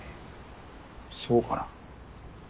そうかな。